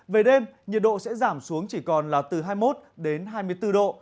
về đêm nhiệt độ sẽ giảm xuống chỉ còn là từ hai mươi một đến hai mươi bốn độ